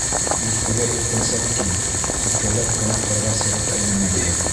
Иртәгә иртәнсәк кил, икәүләп кенә ҡырға сығып әйләнербеҙ.